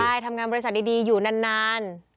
ใช่ทำงานบริษัทดีอยู่นาน